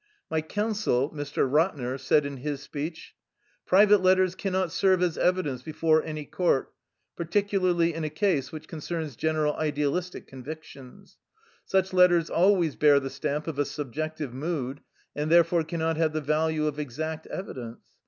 My counsel, Mr. Ratner, said in his speech :^" Private letters cannot serve as evidence be fore any court, particularly in a case which concerns general idealistic convictions. Such letters always bear the stamp of a subjective mood and therefore cannot have the value of exact evidence.